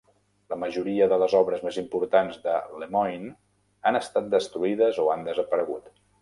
La majoria de les obres més importants de Lemoyne han estat destruïdes o han desaparegut.